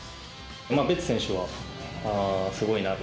まあ、ベッツ選手はすごいなと。